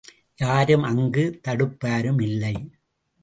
யாரும் அங்கு தடுப்பாரும் இல்லை.